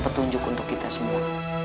petunjuk untuk kita semua